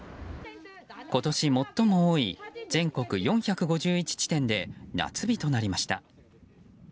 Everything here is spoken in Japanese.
今年最も多い全国４５１地点で夏日となりました。